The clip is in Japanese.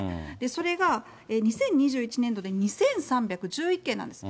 それが２０２１年度で２３１１件なんです。